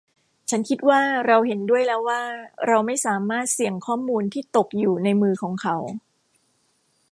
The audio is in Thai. ฉันคิดว่าเราเห็นด้วยแล้วว่าเราไม่สามารถเสี่ยงข้อมูลที่ตกอยู่ในมือของเขา